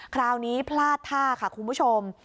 คราวนี้พลาดท่าค่ะคุณผู้ชม